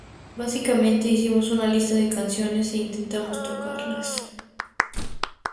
Básicamente, hicimos una lista de canciones e intentamos tocarlas.